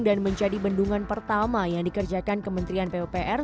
dan menjadi bendungan pertama yang dikerjakan kementerian pupr